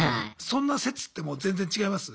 そんな説ってもう全然違います？